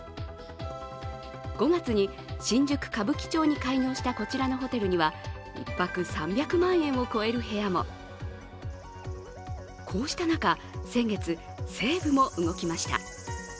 ５月に新宿・歌舞伎町に開業したこちらのホテルには１泊３００万円を超える部屋もこうした中、先月、西武も動きました。